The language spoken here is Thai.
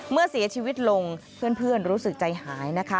เมื่อเสียชีวิตลงเพื่อนรู้สึกใจหายนะคะ